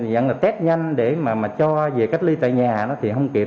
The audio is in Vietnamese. dặn là test nhanh để mà cho về cách ly tại nhà thì không kịp